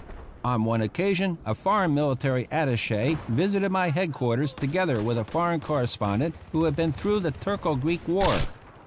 On one occasion a foreign military attache visited my head quarters together with a foreign correspondent who had been through the Turco Greek war.